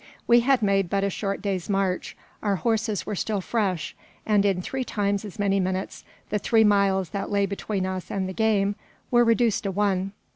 We had made but a short day's march; our horses were still fresh, and in three times as many minutes, the three miles that lay between us and the game were reduced to one.